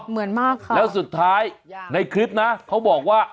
เหมือนมากค่ะแล้วสุดท้ายในคลิปนะเขาบอกว่า